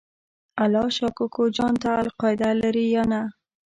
الله شا کوکو جان ته القاعده لرې یا نه؟